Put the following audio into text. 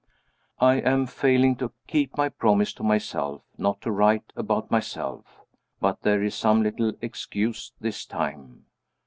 I am failing to keep my promise to myself, not to write about myself. But there is some little excuse this time.